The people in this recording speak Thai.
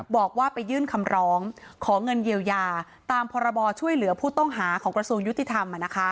บอกว่าไปยื่นคำร้องขอเงินเยียวยาตามพรบช่วยเหลือผู้ต้องหาของกระทรวงยุติธรรม